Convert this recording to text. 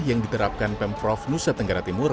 yang diterapkan pemprov nusa tenggara timur